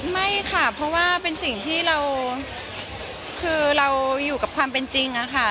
ไม่ค่ะเพราะว่าเป็นสิ่งที่เราคือเราอยู่กับความเป็นจริงอะค่ะ